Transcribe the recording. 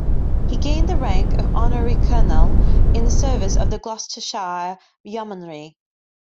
He gained the rank of honorary colonel in the service of the Gloucestershire Yeomanry.